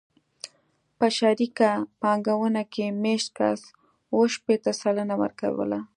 په شریکه پانګونه کې مېشت کس اوه شپېته سلنه ورکوله